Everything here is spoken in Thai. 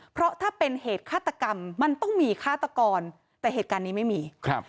เพราะถ้าเป็นเหตุฆาตกรรมมันต้องมีฆาตกรแต่เหตุการณ์นี้ไม่มีครับ